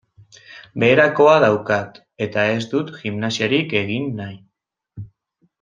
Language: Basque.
Beherakoa daukat eta ez dut gimnasiarik egin nahi.